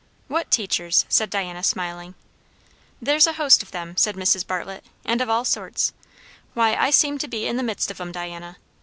"What 'teachers'?" said Diana, smiling. "There's a host of them," said Mrs. Bartlett; "and of all sorts. Why, I seem to be in the midst of 'em, Diana.